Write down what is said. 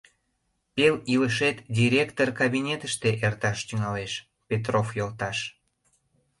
Пел илышет директор кабинетыште эрташ тӱҥалеш, Петров йолташ.